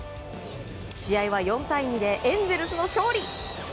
試合は４対２でエンゼルスの勝利。